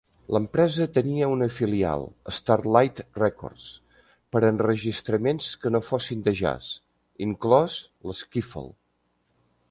L'empresa tenia una filial, Starlite Records, per a enregistraments que no fossin de jazz (inclòs l'skiffle).